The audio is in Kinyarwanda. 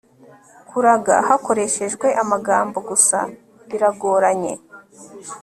kuraga hakoreshejwe amagambo gusa biragoranye